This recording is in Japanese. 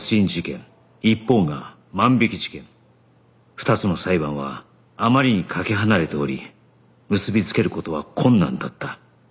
２つの裁判はあまりにかけ離れており結びつける事は困難だった